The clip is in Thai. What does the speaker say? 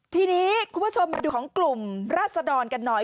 ทีนี้คุณผู้ชมมาดูของกลุ่มราศดรกันหน่อย